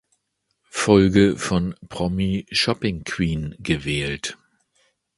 Folge von Promi Shopping Queen gewählt.